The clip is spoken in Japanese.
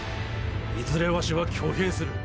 いずれわしは挙兵する。